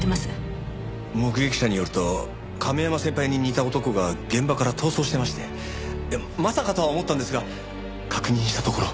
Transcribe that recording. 目撃者によると亀山先輩に似た男が現場から逃走してましてまさかとは思ったんですが確認したところ。